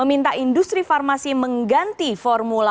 meminta industri farmasi mengganti formula